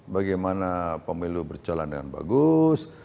bagaimana pemilu berjalan dengan bagus